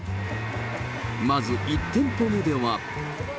まず１店舗目では。